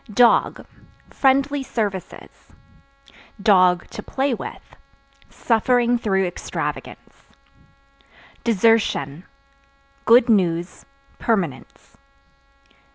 Dog Friendly services; (to play with) suffering through extravagance. Desertion Good news, permanence.